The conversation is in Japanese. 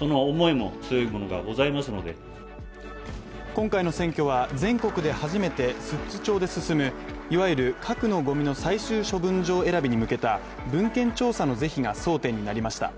今回の選挙は全国で初めて寿都町で進むいわゆる核のごみの最終処分場選びに向けた文献調査の是非が争点になりました。